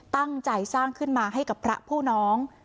ตั้งใจสร้างขึ้นมาให้กับพระผู้น้อง